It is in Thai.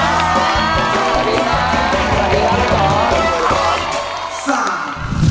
สวัสดีครับทั้งสาม